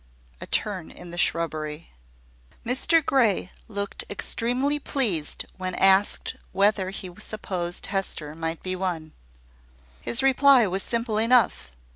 A TURN IN THE SHRUBBERY. Mr Grey looked extremely pleased when asked whether he supposed Hester might be won. His reply was simple enough.